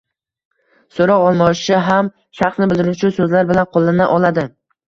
Soʻroq olmoshi ham shaxsni bildiruvchi soʻzlar bilan qoʻllana oladi